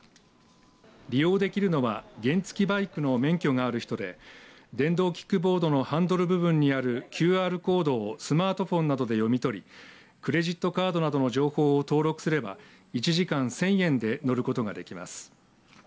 利用できるのは原付きバイクの免許がある人で電動キックボードのハンドル部分にあるＱＲコードをスマートフォンなどで読み取りクレジットカードなどの情報を登録すれば１時間１０００円で乗ることができます。